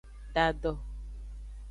Da do.